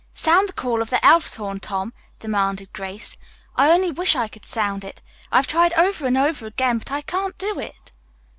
"Sound the call of the Elf's Horn, Tom," demanded Grace. "I only wish I could sound it. I've tried over and over again, but I can't do it."